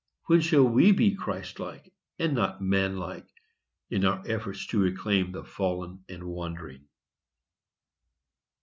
When shall we be Christ like, and not man like, in our efforts to reclaim the fallen and wandering?